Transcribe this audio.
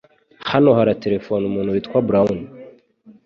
Hano haraterefona umuntu witwa Brown.